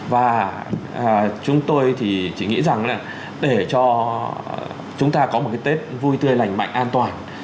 và chúng tôi thì chỉ nghĩ rằng là để cho chúng ta có một cái tết vui tươi lành mạnh an toàn